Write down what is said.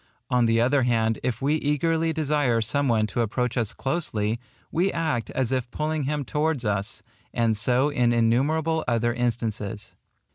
On the other hand, if we eagerly desire some one to approach us closely, we act as if pulling him towards us; and so in innumerable other instances.